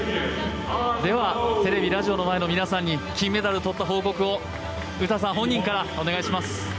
ではテレビ、ラジオの前の皆さんに金メダルをとった報告を詩さん本人からお願いします。